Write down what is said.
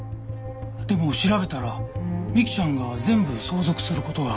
でも調べたら美希ちゃんが全部相続する事がわかって。